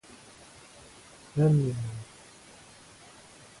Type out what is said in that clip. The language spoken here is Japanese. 何人なの